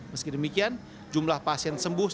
meski demikian jumlah pasien sembuh